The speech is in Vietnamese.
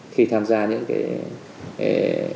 khi tham gia những cái